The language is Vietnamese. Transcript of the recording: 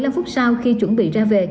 một mươi năm phút sau khi chuẩn bị ra về